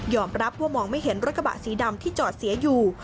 รับว่ามองไม่เห็นรถกระบะสีดำที่จอดเสียอยู่